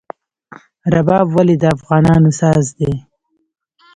رباب ولې د افغانانو ساز دی؟